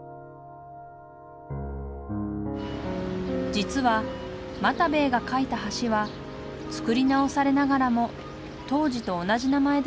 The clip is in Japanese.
実は又兵衛が描いた橋は造り直されながらも当時と同じ名前で残っています。